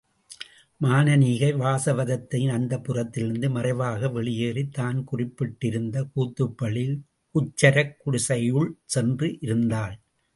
மானனீகை வாசவதத்தையின் அந்தப்புரத்திலிருந்து மறைவாக வெளியேறித் தான் குறிப்பிட்டிருந்த கூத்தப்பள்ளியில் குச்சரக் குடிகையுள் சென்று இருந்தாள்.